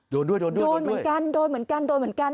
โดนด้วยโดนด้วยโดนเหมือนกันโดนเหมือนกันโดนเหมือนกัน